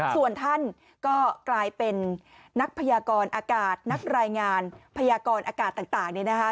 ส่วนท่านก็กลายเป็นนักพยากรอากาศนักรายงานพยากรอากาศต่างเนี่ยนะคะ